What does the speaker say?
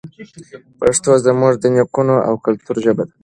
پښتو زموږ د نیکونو او کلتور ژبه ده.